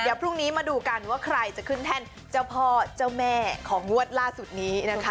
เดี๋ยวพรุ่งนี้มาดูกันว่าใครจะขึ้นแท่นเจ้าพ่อเจ้าแม่ของงวดล่าสุดนี้นะคะ